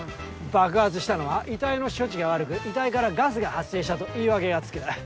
爆発したのは遺体の処置が悪く遺体からガスが発生したと言い訳がつく。